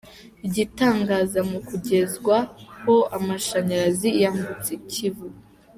Igitangaza mu kugezwaho amashanyarazi yambutse Ikivu.